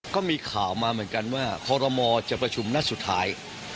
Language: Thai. ก็มีข่าวมาเหมือนกันว่าคอรมอจะประชุมนัดสุดท้าย